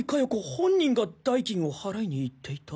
本人が代金を払いに行っていた？